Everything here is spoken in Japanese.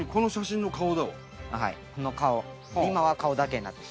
この顔。